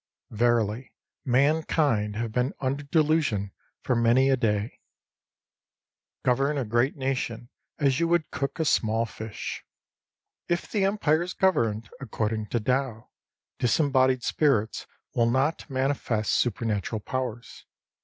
Verily, mankind have been under delusion for many a day ! Govern a great nation as you would cook a small fish.* * Q.d.. Don't overdo it. 38 If the Empire is governed according to Tao, disembodied spirits will not manifest supernatural powers.